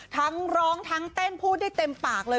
ทั้งร้องทั้งเต้นพูดได้เต็มปากเลย